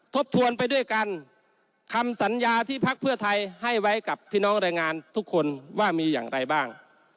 ทบทวนไปด้วยกันคำสัญญาที่พักเพื่อไทยให้ไว้กับพี่น้องแรงงานทุกคนว่ามีอย่างไรบ้าง